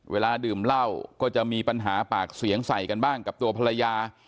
เวลาดื่มเหล้าก็จะมีปัญหาปากเสียงใส่กันบ้างกับตัวภรรยา